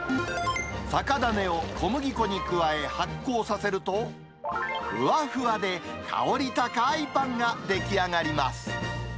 酒種を小麦粉に加え、発酵させると、ふわふわで香り高いパンが出来上がります。